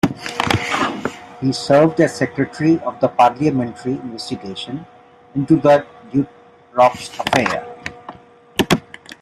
He served as secretary of the parliamentary investigation into the Dutroux Affair.